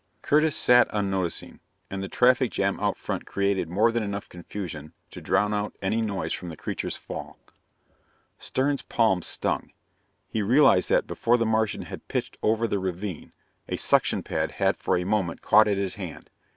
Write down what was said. Curtis sat unnoticing, and the traffic jam out front created more than enough confusion to drown out any noise from the creature's fall. Stern's palm stung. He realized that, before the Martian had pitched over the ravine, a suction pad had for a moment caught at his hand.